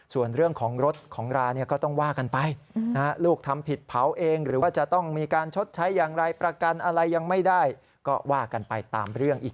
ส่วนเรื่องของรถของราเนี่ยก็ต้องว่ากันไปนะ